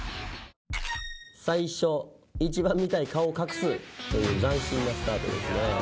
最初一番見たい顔を隠すという斬新なスタートですね。